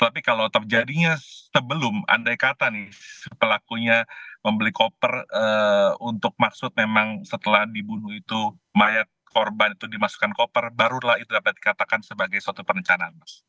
tapi kalau terjadinya sebelum andai kata nih pelakunya membeli koper untuk maksud memang setelah dibunuh itu mayat korban itu dimasukkan koper barulah itu dapat dikatakan sebagai suatu perencanaan mas